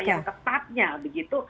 yang tepatnya begitu